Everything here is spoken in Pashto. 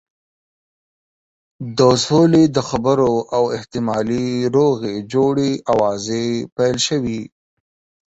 د سولې د خبرو او احتمالي روغې جوړې آوازې پیل شوې.